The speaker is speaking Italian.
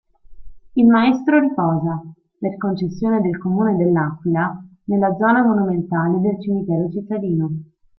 Il maestro riposa, per concessione del Comune dell'Aquila, nella zona monumentale del cimitero cittadino.